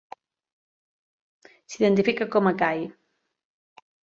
S'identifica com a gai.